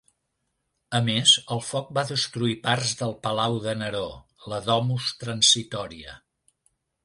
A més, el foc va destruir parts del palau de Neró, la Domus Transitoria.